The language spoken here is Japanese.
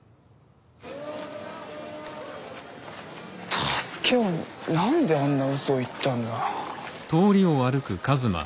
太助は何であんなうそを言ったんだ？